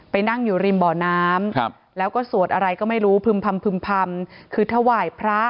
นั่งอยู่ริมบ่อน้ำแล้วก็สวดอะไรก็ไม่รู้พึ่มพำพึ่มพำคือถวายพระ